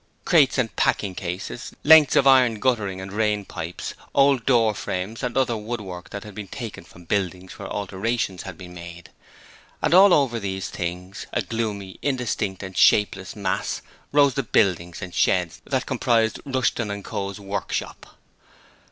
Crates and packing cases, lengths of iron guttering and rain pipes, old door frames and other woodwork that had been taken from buildings where alterations had been made. And over all these things, a gloomy, indistinct and shapeless mass, rose the buildings and sheds that comprised Rushton & Co.'s workshop.